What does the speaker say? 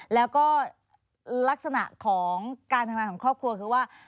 แล้วก็ลักษณะของการทำงานของครอบครัวคือว่า